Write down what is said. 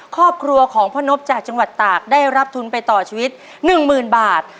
ครอบครัวของพ่อนพจากจังหวัดตากได้รับทุนไปต่อชีวิต๑๐๐๐บาท